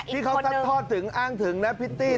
ที่เขาซัดทอดถึงอ้างถึงนะพิตตี้